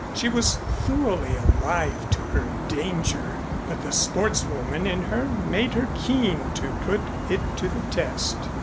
She was thoroughly alive to her danger, but the sportswoman in her made her keen to put it to the test.